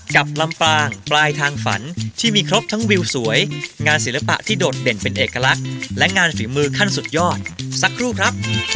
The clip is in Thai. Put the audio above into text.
ขอบคุณทุกคนนะครับยินดีต้อนรับจ้า